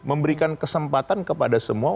memberikan kesempatan kepada semua